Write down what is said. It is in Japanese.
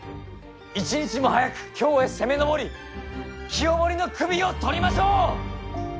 一日も早く京へ攻め上り清盛の首を取りましょう！